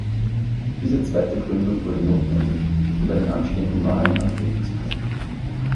Diese zweite Gründung wurde notwendig, um bei den anstehenden Wahlen antreten zu können.